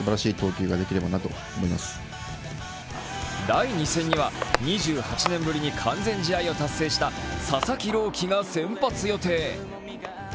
第２戦には２８年ぶりに完全試合を達成した佐々木朗希が先発予定。